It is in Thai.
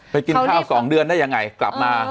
กินข้าว๒เดือนได้ยังไงกลับมา